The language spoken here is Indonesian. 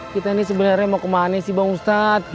kita ini sebenarnya mau kemana sih bang ustadz